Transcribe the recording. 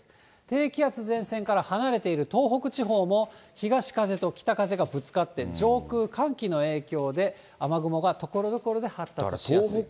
低気圧、前線から離れている東北地方も、東風と北風がぶつかって、上空、寒気の影響で、雨雲がところどころで発達しやすい。